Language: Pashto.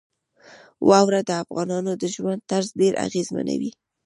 واوره د افغانانو د ژوند طرز ډېر اغېزمنوي.